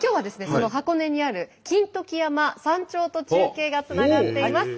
その箱根にある金時山山頂と中継がつながっています。